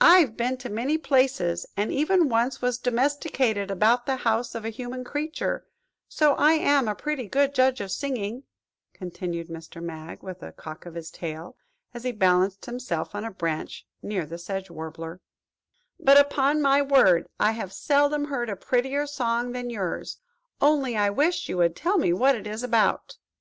"I have been in many places, and even once was domesticated about the house of a human creature, so that I am a pretty good judge of singing," continued Mr. Mag, with a cock of his tail, as he balanced himself on a branch near the Sedge Warbler; "but, upon my word, I have seldom heard a prettier song than yours–only I wish you would tell me what it is all about."